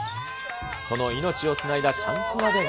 その命をつないだちゃんこ鍋が。